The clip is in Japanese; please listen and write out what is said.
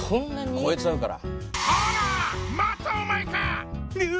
越えちゃうから。